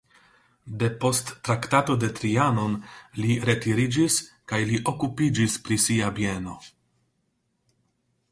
Depost Traktato de Trianon li retiriĝis kaj li okupiĝis pri sia bieno.